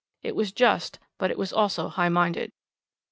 It was just, but it was also high minded.